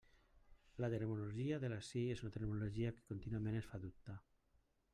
La terminologia de la SI és una terminologia que contínuament ens fa dubtar.